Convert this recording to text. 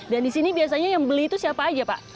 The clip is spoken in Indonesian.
dan di sini biasanya yang beli itu siapa aja pak